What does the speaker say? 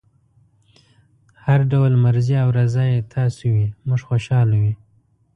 هر ډول مرضي او رضای تاسو وي موږ خوشحاله یو.